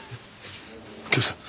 右京さん